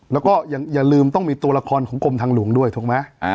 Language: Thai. แล้วก็อย่าลืมต้องมีตัวละครของกรมทางหลวงด้วยถูกไหม